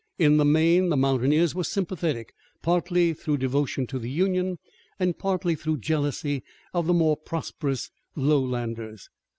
In the main, the mountaineers were sympathetic, partly through devotion to the Union, and partly through jealousy of the more prosperous lowlanders.